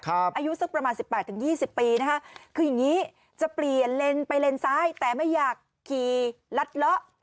อายุสักประมาณสิบแปดถึงยี่สิบปีนะคะคืออย่างนี้จะเปลี่ยนเลนไปเลนซ้ายแต่ไม่อยากขี่รัดเลาะ